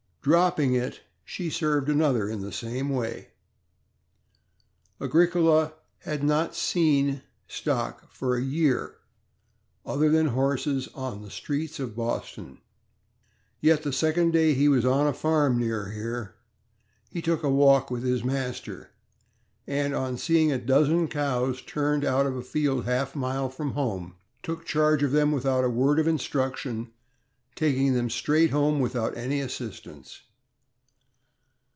Dropping it, she served another the same way. Agricola had not seen stock for a year (other than horses on the streets of Bos ton), yet the second day he was on a farm near here, he took a walk with his master, and on seeing a dozen cows turned out of a field half a mile from home, took charge of them without a word of instruction, taking them straight home without any assistance.